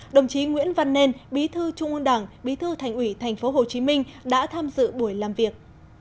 đồng chí nguyễn văn nên bí thư trung ương đảng bí thư thành ủy tp hcm đã tham dự buổi làm việc